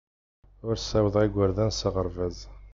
Ur ssawḍeɣ igerdan s aɣerbaz.